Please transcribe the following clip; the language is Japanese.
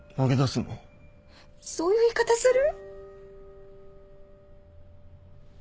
そういう言い方する？